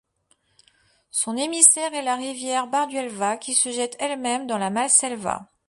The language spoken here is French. Son émissaire est la rivière Barduelva, qui se jette elle-même dans la Målselva.